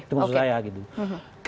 itu maksud saya gitu oke oke